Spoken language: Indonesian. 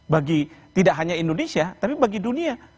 bagi tidak hanya indonesia tapi bagi dunia